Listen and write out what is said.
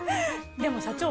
でも社長